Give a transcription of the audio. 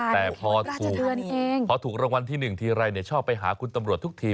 แต่พอถูกพอถูกรางวัลที่๑ทีไรชอบไปหาคุณตำรวจทุกที